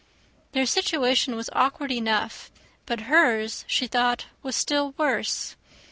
Their situation was awkward enough; but hers she thought was still worse.